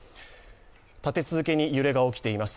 立て続けに揺れが起きています。